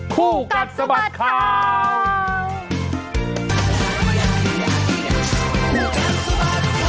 คู่กัดสะบัดข่าว